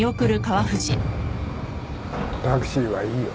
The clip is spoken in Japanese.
タクシーはいいよ。